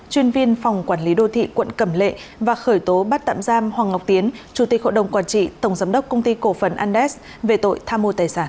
chuyên viên phòng quản lý đô thị quận cẩm lệ và khởi tố bắt tạm giam hoàng ngọc tiến chủ tịch hội đồng quản trị tổng giám đốc công ty cổ phần andes về tội tham mô tài sản